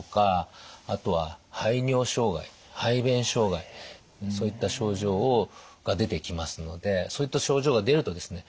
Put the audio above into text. あとは排尿障害排便障害そういった症状が出てきますのでそういった症状が出るとですね